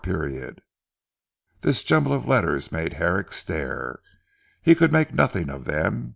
r. " This jumble of letters made Herrick stare. He could make nothing of them.